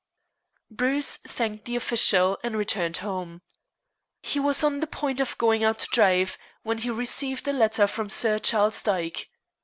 Bruce thanked the official and returned home. He was on the point of going out to drive, when he received a letter from Sir Charles Dyke.